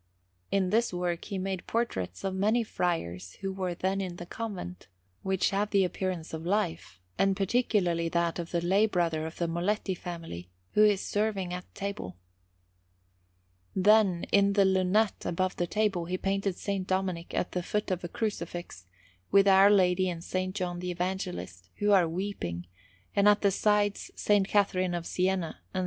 In this work he made portraits of many friars who were then in the convent, which have the appearance of life, and particularly that of the lay brother of the Molletti family, who is serving at table. Then, in the lunette above the table, he painted S. Dominic at the foot of a Crucifix, with Our Lady and S. John the Evangelist, who are weeping, and at the sides S. Catherine of Siena and S.